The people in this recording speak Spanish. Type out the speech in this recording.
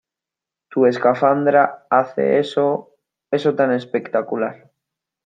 Tu escafandra hace eso... Eso tan espectacular .